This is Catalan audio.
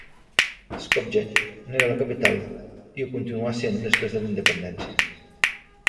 Skopje n'era la capital i ho continuà sent després de la independència.